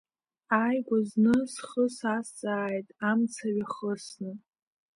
Ааигәа зны схы сазҵааит, амца ҩахысны…